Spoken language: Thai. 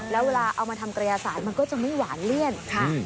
แล้วเวลาเอามาทำกระยาศาสตร์มันก็จะไม่หวานเลี่ยนค่ะ